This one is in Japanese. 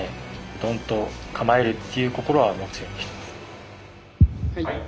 どんと構えるという心は持つようにしてます。